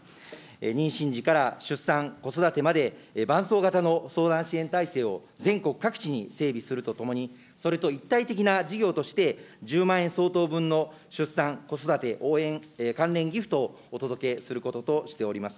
妊娠時から出産、子育てまで、伴走型の相談支援体制を全国各地に整備するとともに、それと一体的な事業として、１０万円相当分の出産・子育て応援関連ギフトをお届けすることとしております。